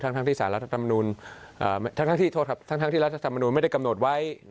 ทั้งที่สารรัฐธรรมนูลทั้งที่รัฐธรรมนุนไม่ได้กำหนดไว้